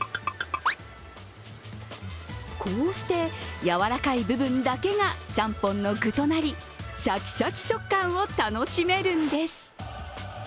こうしてやわらかい部分だけがちゃんぽんの具となり、しゃきしゃき食感を楽しめるんです。